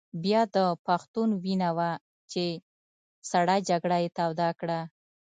بیا د پښتون وینه وه چې سړه جګړه یې توده کړه.